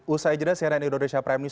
usai jelas saya reni indonesia prime news